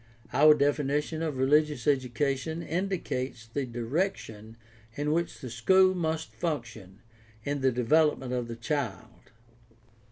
Our definition of religious education indicates the direction in which the school must function in the development of the child.